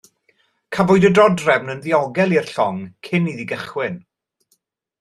Cafwyd y dodrefn yn ddiogel i'r llong cyn iddi gychwyn.